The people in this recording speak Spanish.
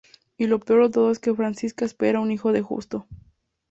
Y lo peor de todo es que Francisca espera un hijo de Justo.